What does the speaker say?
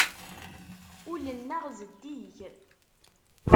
Ul-nneɣ zeddig.